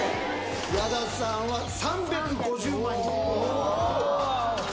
矢田さんは３５０万円